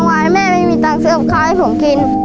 ตอนวันแม่ไม่มีตังค์เสื้ออบค่าให้ผมกิน